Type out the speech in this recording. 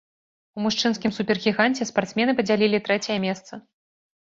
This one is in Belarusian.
У мужчынскім супергіганце спартсмены падзялілі трэцяе месца.